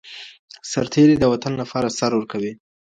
سرتیری د وطن لپاره سر ورکوي.